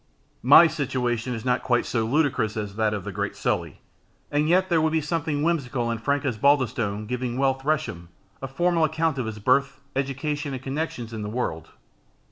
My situation is not quite so ludicrous as that of the great Sully, and yet there would be something whimsical in Frank Osbaldistone giving Will Tresham a formal account of his birth, education, and connections in the world.